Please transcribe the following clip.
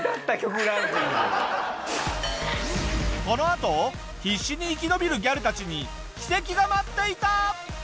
このあと必死に生き延びるギャルたちに奇跡が待っていた！